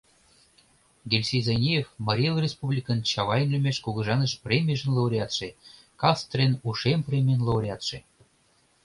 Гельсий Зайниев, Марий Эл Республикын Чавайн лӱмеш Кугыжаныш премийжын лауреатше, Кастрен ушем премийын лауреатше.